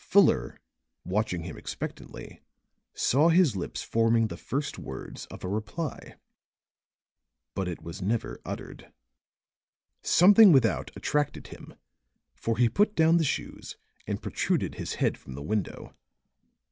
Fuller, watching him expectantly, saw his lips forming the first words of a reply. But it was never uttered. Something without attracted him, for he put down the shoes and protruded his head from the window.